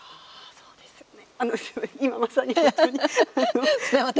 そうですよね。